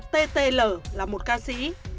ttl là một ca sĩ